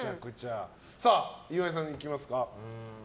岩井さん、いきますか。